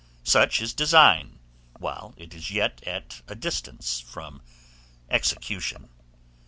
Such is design, while it is yet at a distance from execution.